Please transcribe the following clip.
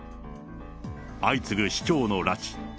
相次ぐ市長の拉致。